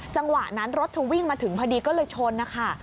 จังหวะนั้นรถเธอวิ่งมาถึงพอดีก็เลยชนนะคะ